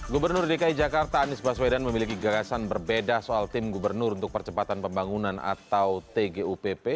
gubernur dki jakarta anies baswedan memiliki gagasan berbeda soal tim gubernur untuk percepatan pembangunan atau tgupp